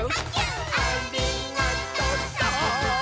「ありがとさーん！」